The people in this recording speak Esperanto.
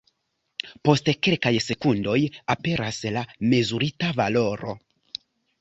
Post kelkaj sekundoj aperas la mezurita valoro.